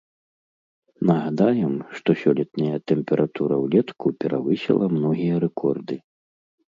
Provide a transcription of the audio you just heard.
Нагадаем, што сёлетняя тэмпература ўлетку перавысіла многія рэкорды.